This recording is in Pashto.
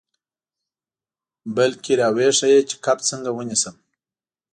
بلکې را وښیه چې کب څنګه ونیسم.